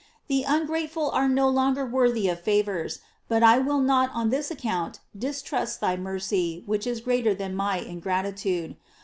The ungrateful are no longer worthy of favors; but I will not on this account distrust thy mercy, which is greater than my ingratitude.